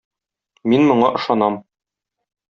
Мин моңа ышанам.